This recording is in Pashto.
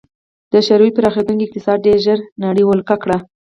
د شوروي پراخېدونکی اقتصاد ډېر ژر نړۍ ولکه کړي